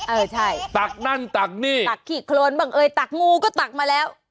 เออใช่ตักนั่นตักนี่ตักขี้โครนบังเอยตักงูก็ตักมาแล้ว